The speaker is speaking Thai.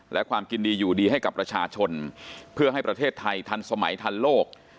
และความกินดีอยู่ดีให้กับประชาชนเพื่อให้ประเทศไทยทันสมัยทันโลก